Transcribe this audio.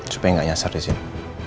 supaya gak nyasar disini